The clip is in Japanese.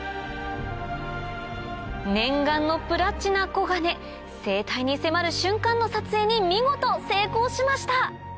念願のプラチナコガネ生態に迫る瞬間の撮影に見事成功しました！